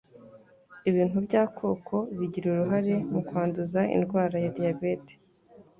Ibintu by'akoko bigira uruhare mu kwanduza indwara ya diyabete